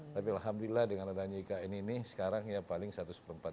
tapi alhamdulillah dengan adanya ikn ini sekarang ya paling satu empat jam sudah berhubung